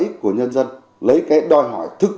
ích của nhân dân lấy cái đòi hỏi thực